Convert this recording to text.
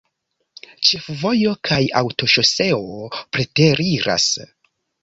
Ĉefvojo kaj aŭtoŝoseo preteriras.